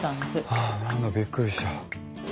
ああ何だびっくりした。